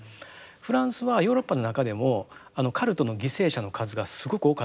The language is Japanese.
フランスはヨーロッパの中でもカルトの犠牲者の数がすごく多かったんです。